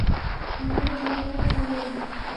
মূর্খ, মূর্খ মেয়ে!